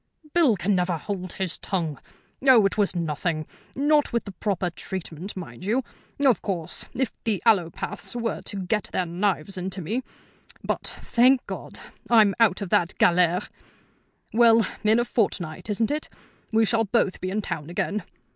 "Bill can never hold his tongue. Oh, it was nothing; not with the proper treatment, mind you. Of course, if the allopaths were to get their knives into me but, thank God! I'm out of that galère. Well, in a fortnight, isn't it? We shall both be in town again.